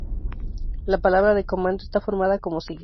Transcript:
La palabra de comando está formada como sigue.